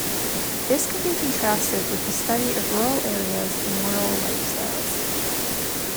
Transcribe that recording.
This can be contrasted with the study of rural areas and rural lifestyles.